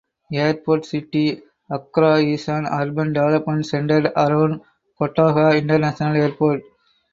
Airport City Accra is an urban development centered around Kotoka International Airport.